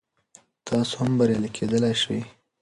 تاسو هم بریالی کیدلی شئ.